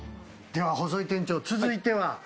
では細井店長、続いては？